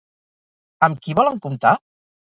Amb qui volen comptar?